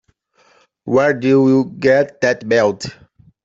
Where'd you get that belt?